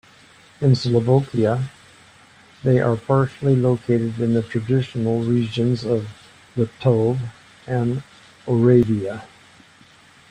In Slovakia, they are partially located in the traditional regions of Liptov and Orava.